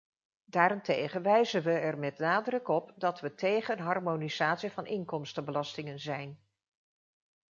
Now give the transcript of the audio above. Daarentegen wijzen we er met nadruk op dat we tegen harmonisatie van inkomstenbelastingen zijn.